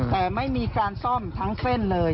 แต่ไม่มีการซ่อมทั้งเส้นเลย